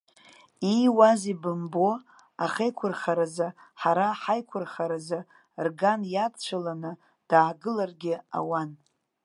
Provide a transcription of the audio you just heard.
Ииуазеи бымбо, ахеиқәырхаразы, ҳара ҳаиқәырхаразы рган иадцәыланы даагыларгьы ауан.